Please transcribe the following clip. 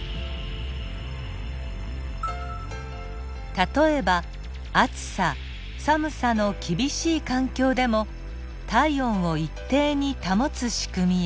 例えば暑さ寒さの厳しい環境でも体温を一定に保つしくみや。